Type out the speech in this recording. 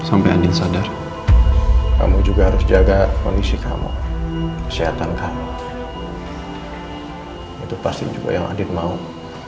aku denger kalau kondisi mbak andi itu terus menerus menurun